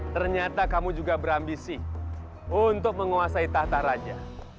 ternyata kamu juga berambisi untuk menguasai tahta raja